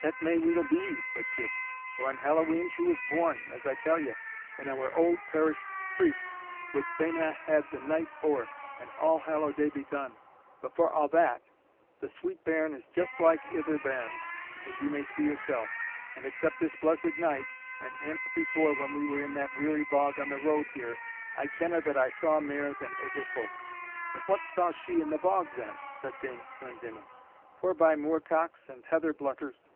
"That may weel be," said Tibb; "for on Hallowe'en she was born, as I tell ye, and our auld parish priest wad fain hae had the night ower, and All Hallow day begun. But for a' that, the sweet bairn is just like ither bairns, as ye may see yourself; and except this blessed night, and ance before when we were in that weary bog on the road here, I kenna that it saw mair than ither folk." "But what saw she in the bog, then," said Dame Glendinning, "forby moor cocks and heather blutters?"